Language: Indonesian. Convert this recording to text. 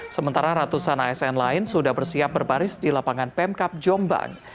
sementara ratusan asn lain sudah bersiap berbaris di lapangan pemkap jombang